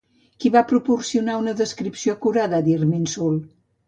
Qui va proporcionar una descripció acurada d'Irminsul?